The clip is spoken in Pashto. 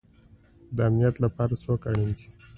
د امنیت لپاره څوک اړین دی؟